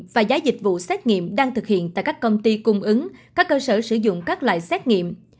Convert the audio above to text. và giá dịch vụ xét nghiệm đang thực hiện tại các công ty cung ứng các cơ sở sử dụng các loại xét nghiệm